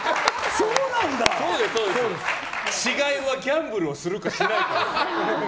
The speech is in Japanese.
違いはギャンブルをするかしないか。